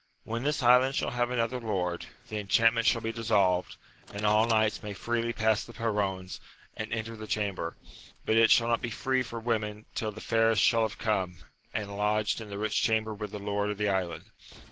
When this island shall have an other lord, the enchantment shall be dissolved, and all knights may freely pass the perrons and enter the chamber ; but it shall not be free for women, till the fairest shall have come, and lodged in the rich cham ber with the lord of the island.